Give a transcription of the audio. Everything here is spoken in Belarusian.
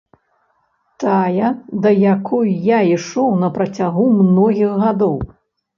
Тая, да якой я ішоў на працягу многіх гадоў.